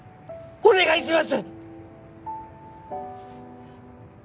お願いします